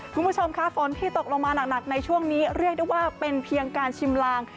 คุณผู้ชมค่ะฝนที่ตกลงมาหนักในช่วงนี้เรียกได้ว่าเป็นเพียงการชิมลาง